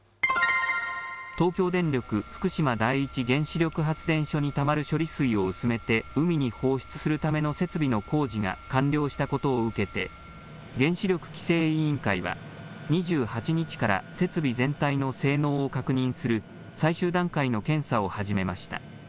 東京電力福島第一原子力発電所にたまる処理水を薄めて、海に放出するための設備の工事が完了したことを受けて、原子力規制委員会は、２８日から設備全体の性能を確認する最終段階の検査を始めました。